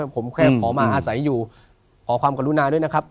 ผมแค่ขอมาอาศัยอยู่ขอความกรุณาด้วยนะครับ